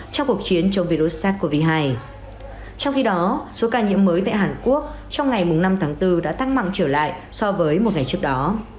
trong khi đó số ca nhiễm mới tại hàn quốc trong ngày năm tháng bốn đã tăng mặng trở lại so với một ngày trước đó